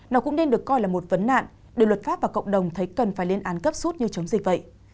nó cũng nên được coi là một vấn nạn đưa luật pháp và cộng đồng thấy cần phải lên án cấp suốt như chống dịch vậy